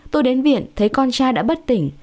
tôi đến viện thấy con trai đã bất tìm